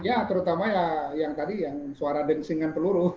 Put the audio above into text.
ya terutama ya yang tadi yang suara dengsingan peluru